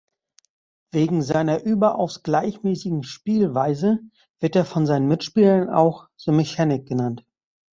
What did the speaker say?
Wegen seiner überaus gleichmäßigen Spielweise wird er von seinen Mitspielern auch „The Mechanic“ genannt.